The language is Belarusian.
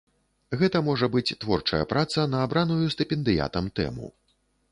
Гэта можа быць творчая праца на абраную стыпендыятам тэму.